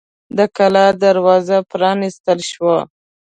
د کلا دروازه پرانیستل شوه.